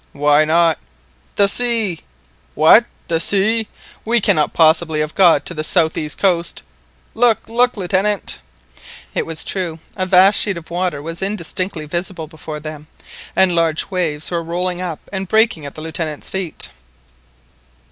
"Why not?" "The sea!" "What, the sea! We cannot possibly have got to the southeast coast!" "Look, look, Lieutenant!" It was true, a vast sheet of water was indistinctly visible before them, and large waves were rolling up and breaking at the Lieutenant's feet.